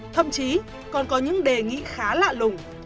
thậm chí còn có những đề nghị khá lạ lùng